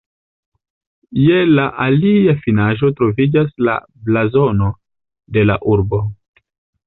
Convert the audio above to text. Je la alia finaĵo troviĝas la blazono de la urbo.